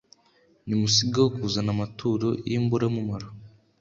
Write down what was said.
nimusigeho kuzana amaturo y'imburamumaro